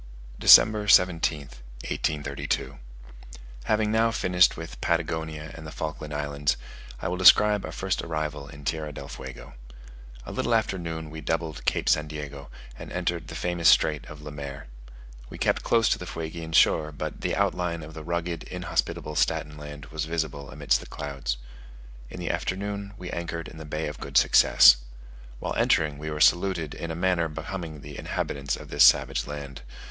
DECEMBER 17th, 1832. Having now finished with Patagonia and the Falkland Islands, I will describe our first arrival in Tierra del Fuego. A little after noon we doubled Cape St. Diego, and entered the famous strait of Le Maire. We kept close to the Fuegian shore, but the outline of the rugged, inhospitable Statenland was visible amidst the clouds. In the afternoon we anchored in the Bay of Good Success. While entering we were saluted in a manner becoming the inhabitants of this savage land.